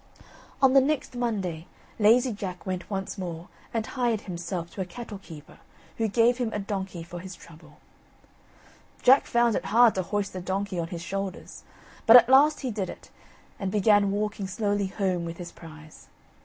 On the next Monday, Lazy Jack went once more, and hired himself to a cattle keeper, who gave him a donkey for his trouble. Jack found it hard to hoist the donkey on his shoulders, but at last he did it, and began walking slowly home with his prize.